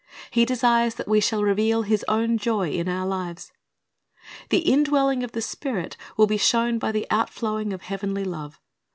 He desires that we shall reveal His own joy in our lives. The indwelling of the Spirit will be shown by the out flowing of heavenly love.